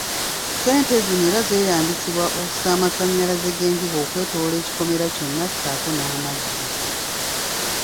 Ssente zino era zeeyambisibwa mu kussa amasanyalaze g'enjuba okwetoolola ekikomera kyonna saako n'amazzi.